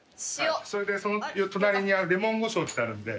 それでその隣にレモン胡椒ってあるんで。